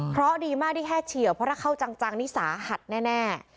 เพราะดีมากที่แค่เฉียวเพราะถ้าเข้าจังนี่สาหัสแน่